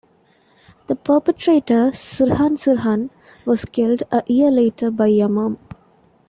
The perpetrator, Sirhan Sirhan, was killed a year later by the Yamam.